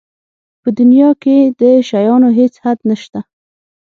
په دنیا کې د شیانو هېڅ حد نشته.